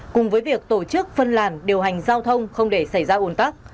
cùng với việc tổ chức phân làn điều hành giao thông không để xảy ra ồn tắc